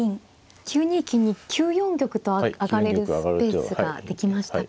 ９二金に９四玉と上がれるスペースができましたか。